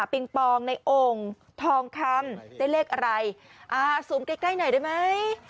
ปองในโอ่งทองคำได้เลขอะไรอ่าสวมใกล้ใกล้หน่อยได้ไหม